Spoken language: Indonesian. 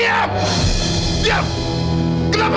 dengan cara apa